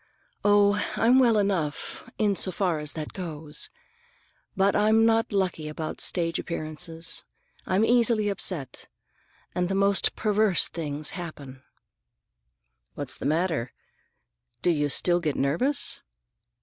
"Oh, I'm well enough, in so far as that goes. But I'm not lucky about stage appearances. I'm easily upset, and the most perverse things happen." "What's the matter? Do you still get nervous?"